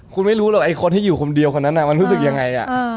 คุณไม่รู้หรอกไอ้คนที่อยู่คนเดียวคนนั้นมันรู้สึกยังไง